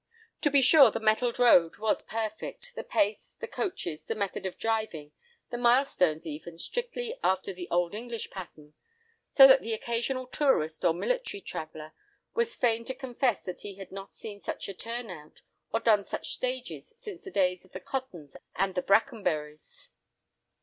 To be sure the metalled road was perfect, the pace, the coaches, the method of driving, the milestones even, strictly after the old English pattern. So that the occasional tourist, or military traveller, was fain to confess that he had not seen such a turn out or done such stages since the days of the Cottons and the Brackenburys.